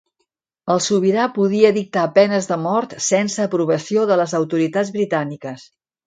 El sobirà podia dictar penes de mort sense aprovació de les autoritats britàniques.